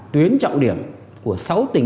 tuyến trọng điểm của sáu tỉnh